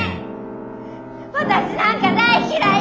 私なんか大嫌い！